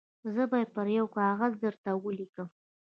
زه به یې پر یوه کاغذ درته ولیکم.